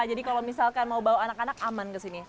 jadi kalau misalkan mau bawa anak anak aman ke sini